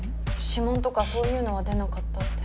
指紋とかそういうのは出なかったって。